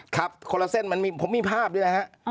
ครับคนละเส้นมันมีผมมีภาพด้วยนะฮะ